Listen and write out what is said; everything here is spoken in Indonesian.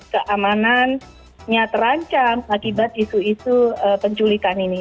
keamanannya terancam akibat isu isu penculikan ini